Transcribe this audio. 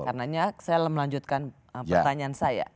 karena saya melanjutkan pertanyaan saya